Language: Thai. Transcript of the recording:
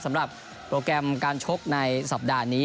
สำหรับโปรแกรมการชกในสัปดาห์นี้